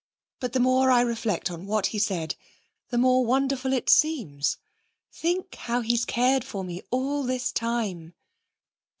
But the more I reflect on what he said, the more wonderful it seems.... Think how he's cared for me all this time!'